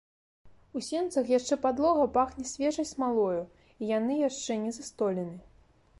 У сенцах яшчэ падлога пахне свежаю смалою, і яны яшчэ не застолены.